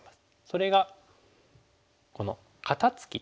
それがこの肩ツキという。